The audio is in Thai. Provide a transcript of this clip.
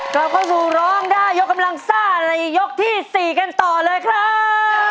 เราเข้าสู่รองด่ายกำลังซ่าในยกที่สี่กันต่อเลยครับ